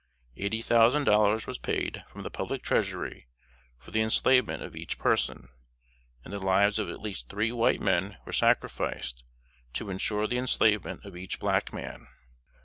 Eighty thousand dollars was paid from the public treasury for the enslavement of each person, and the lives of at least three white men were sacrificed to insure the enslavement of each black man.